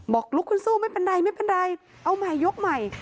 ลุกขึ้นสู้ไม่เป็นไรไม่เป็นไรเอาใหม่ยกใหม่